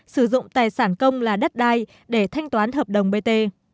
sử dụng tài sản công là đất đai để thanh toán hợp đồng bt